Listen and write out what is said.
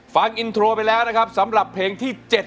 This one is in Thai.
ฟังอินโทรไปแล้วนะครับสำหรับเพลงที่๗